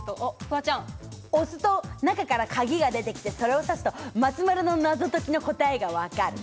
ピンポン押すと中から鍵が出て来てそれを挿すと松丸の謎解きの答えが分かる。